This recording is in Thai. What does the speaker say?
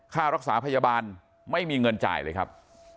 ค่ารักษาพยาบาลไม่มีเงินจ่ายเลยครับ